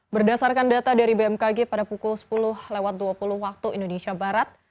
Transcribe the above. berdasarkan data dari bmkg pada pukul sepuluh lewat dua puluh waktu indonesia barat